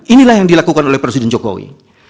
inilah yang dilakukan oleh presiden jokowi